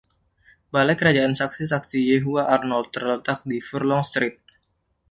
Balai Kerajaan Saksi-Saksi Yehuwa Arnold terletak di Furlong Street.